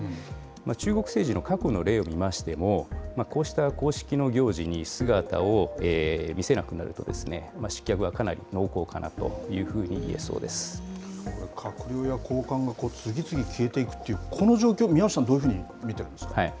中国政治の過去の例を見ましても、こうした公式の行事に姿を見せなくなると、失脚はかなり濃厚かな閣僚や高官が次々消えていくって、この状況、宮内さんはどういうふうに見ているんですか。